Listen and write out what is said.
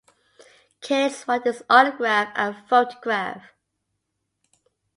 Kids want his autograph and photograph.